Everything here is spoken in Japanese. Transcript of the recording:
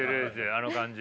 あの感じ。